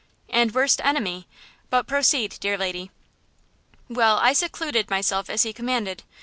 "And worst enemy! But proceed, dear lady." "Well, I secluded myself as he commanded.